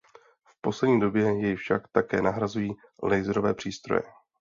V poslední době jej však také nahrazují laserové přístroje.